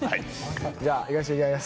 じゃあ、いかしていただきます。